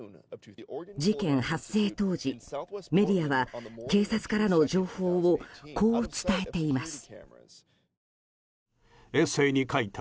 事件発生当時、メディアは警察からの情報をこう伝えています。